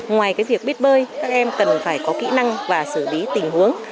ngoài việc biết bơi các em cần phải có kỹ năng và xử lý tình huống